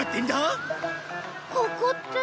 ここって。